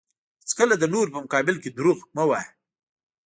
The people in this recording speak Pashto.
هیڅکله د نورو په مقابل کې دروغ مه وایه.